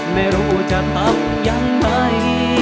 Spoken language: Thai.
ไม่รู้จะตับยังไง